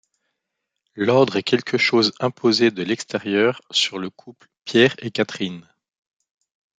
L'ordre est quelque chose imposé de l'extérieur sur le couple Pierre et Catherine.